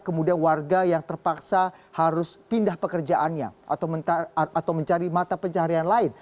kemudian warga yang terpaksa harus pindah pekerjaannya atau mencari mata pencaharian lain